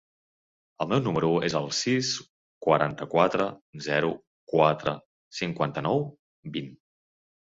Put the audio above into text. El meu número es el sis, quaranta-quatre, zero, quatre, cinquanta-nou, vint.